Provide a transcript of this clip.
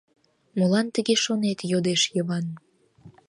— Молан тыге шонет? — йодеш Йыван.